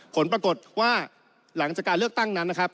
ผลปรากฏว่าหลังจากการเลือกตั้งนั้นนะครับ